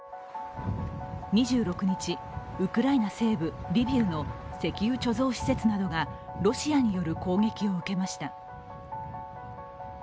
２６日、ウクライナ西部リビウの石油貯蔵施設などがロシアによる攻撃を受けました。